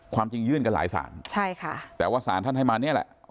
ความจริงยื่นกันหลายศาลใช่ค่ะแต่ว่าสารท่านให้มาเนี่ยแหละ